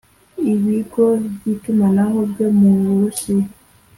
Ibigo by itumanaho byo mu Burusiy